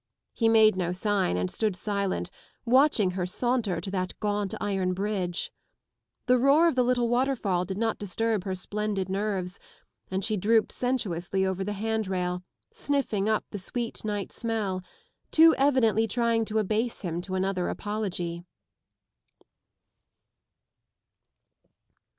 He made no sign and stood silent, watching her saunter to that gaunt iron bridge. The roar of the little waterfall did not disturb her splendid nerves and she drooped sensuously over the hand rail, sniffing up the sweet night smell ; too evidently trying to abase him to another apology.